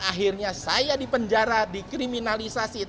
akhirnya saya dipenjara dikriminalisasi